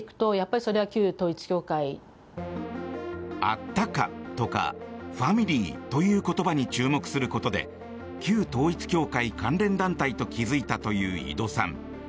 あったかとかファミリーという言葉に注目することで旧統一教会関連団体と気付いたという井戸さん。